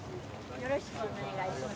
よろしくお願いします。